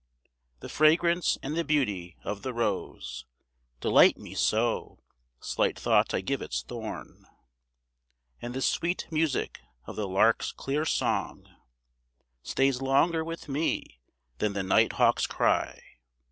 The fragrance and the beauty of the rose Delight me so, slight thought I give its thorn; And the sweet music of the lark's clear song Stays longer with me than the night hawk's cry.